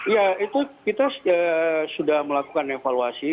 ya itu kita sudah melakukan evaluasi